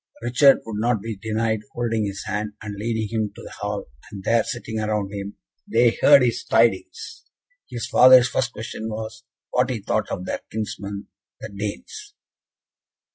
Richard would not be denied holding his hand, and leading him to the hall, and there, sitting around him, they heard his tidings. His father's first question was, what he thought of their kinsmen, the Danes?